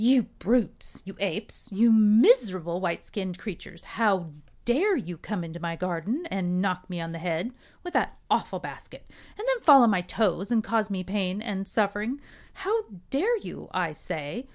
"You brutes! you apes! you miserable white skinned creatures! How dare you come into my garden and knock me on the head with that awful basket and then fall on my toes and cause me pain and suffering? How dare you, I say?